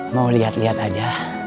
mau lihat lihat aja